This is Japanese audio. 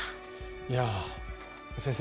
いや先生